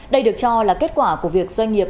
đây được cho là kết quả của việc doanh nghiệp